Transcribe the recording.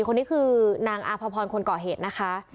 คนนี้คือนางอาพพรคนก่อเหตุนะคะ